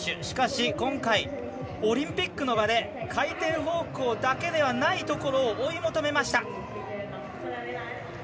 しかし、今回オリンピックの場で回転方向だけではないところを追い求めました。